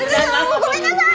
ごめんなさい！